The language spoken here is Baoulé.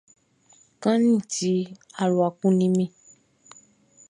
Kanʼni ti, alua kunnin mi.